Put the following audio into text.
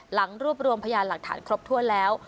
หลังรวบรวมพยานหลักฐานครบถ้วนแล้ว